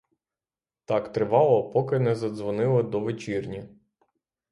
Так тривало, поки не задзвонили до вечірні.